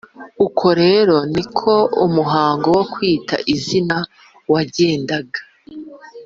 Uko rero ni ko umuhango wo kwita izina wagendaga